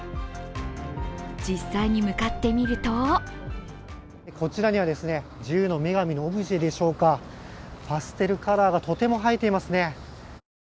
実際に向かってみるとこちらには自由の女神のオブジェでしょうかパステルカラーがとても映えていますね。